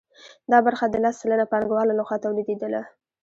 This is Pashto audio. دا برخه د لس سلنه پانګوالو لخوا تولیدېدله